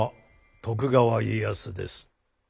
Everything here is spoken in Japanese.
徳川家康です。